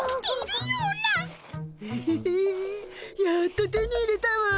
ウフフやっと手に入れたわ。